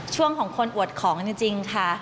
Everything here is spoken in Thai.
ช่วงของคนอวดของจริงค่ะ